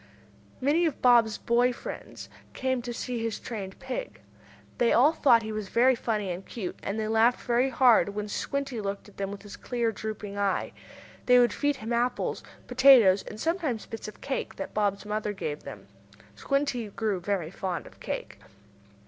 Many of Bob's boy friends came to see his trained pig. They all thought he was very funny and cute, and they laughed very hard when Squinty looked at them with his queer, drooping eye. They would feed him apples, potatoes and sometimes bits of cake that Bob's mother gave them. Squinty grew very fond of cake.